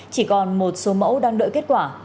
chỉ còn một số mẫu đang đợi kết quả